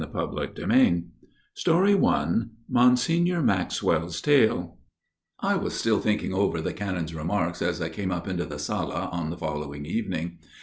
I Monsignor Maxwell's Tale I Monsignor Maxwell's Tale I WAS still thinking over the Canon's remarks as I came up into the sala on the following evening.